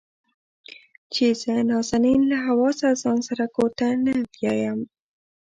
چې زه نازنين له حواسه ځان سره کور ته نه بيايم.